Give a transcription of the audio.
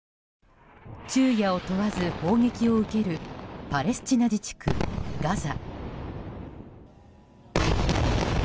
昼夜を問わず砲撃を受けるパレスチナ自治区ガザ。